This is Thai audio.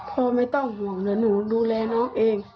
พ่อไม่ต้องห่วงเดี๋ยวหนูดูแลน้องเอง